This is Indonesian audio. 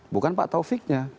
bukan pak toviknya